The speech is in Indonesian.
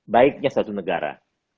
baiknya satu negara